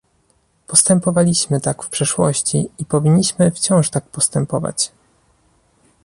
Postępowaliśmy tak w przeszłości i powinniśmy wciąż tak postępować